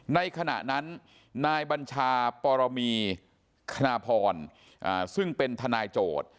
ในขณะนั้นนายบัญชาปรมีคณพรซึ่งเป็นทนายโจทย์